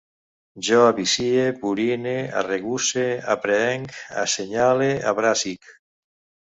Jo avicie, burine, arregusse, aprehenc, assenyale, abrasisc